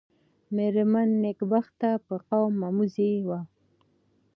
مېرمن نېکبخته په قوم مموزۍ وه.